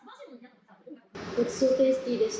ごちそうテイスティーでした。